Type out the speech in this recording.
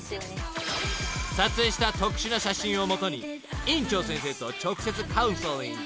［撮影した特殊な写真を基に院長先生と直接カウンセリング］